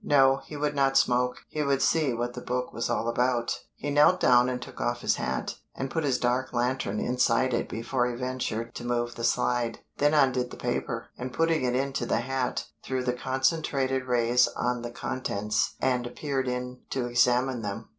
No, he would not smoke, he would see what the book was all about; he knelt down and took off his hat, and put his dark lantern inside it before he ventured to move the slide; then undid the paper, and putting it into the hat, threw the concentrated rays on the contents and peered in to examine them.